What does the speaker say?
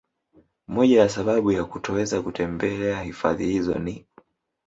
Moja ya sababu ya kutoweza kutembelea hifadhi hizo ni